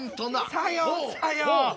さようさよう。